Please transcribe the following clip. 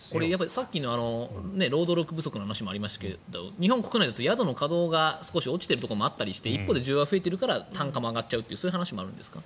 さっきの労働力不足の話もありましたけど日本国内だと宿の稼働が落ちているところもあって一方で需要が増えてるから単価が上がっちゃうこともあるんですか。